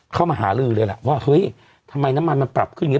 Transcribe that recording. เข้ามาหาลือเลยแหละว่าเฮ้ยทำไมน้ำมันมันปรับขึ้นอย่างนี้